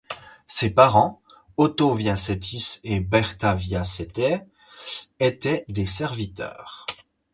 Ses parents, Oto Vācietis et Berta Vāciete, étaient des serviteurs.